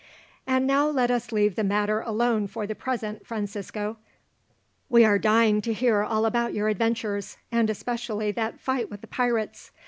"And now let us leave the matter alone for the present, Francisco. We are dying to hear all about your adventures, and especially that fight with the pirates.